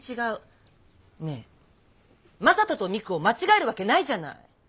ねえ正門と未来を間違えるわけないじゃない。